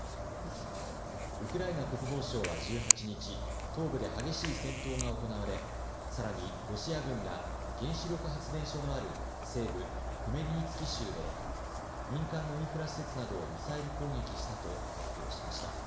ウクライナ国防省は１８日、東部で激しい戦闘が行われさらにロシア軍が原子力発電所のある西部フメリニツキー州で民間のインフラ施設などをミサイル攻撃したと発表しました。